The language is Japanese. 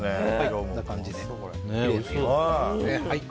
こんな感じで。